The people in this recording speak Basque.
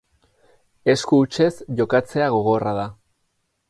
Esku hutsez jokatzea gogorra da.